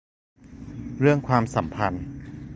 เรื่องความสัมพันธ์